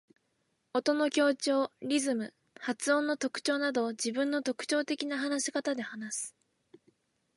音の強調、リズム、発音の特徴など自分の特徴的な話し方で話す。